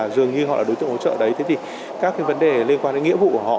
dường như họ là đối tượng hỗ trợ đấy thế thì các cái vấn đề liên quan đến nghĩa vụ của họ